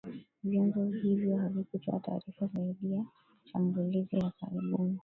Vyanzo hivyo havikutoa taarifa zaidi juu ya shambulizi la karibuni